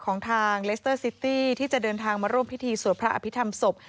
ของทางเลสเตอร์ซิตี้ที่จะเดินทางมาร่วมพิธีสวดพระอภิษฐรรมศพ